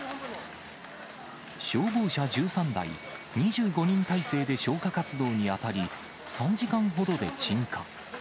消防車１３台、２５人態勢で消火活動に当たり、３時間ほどで鎮火。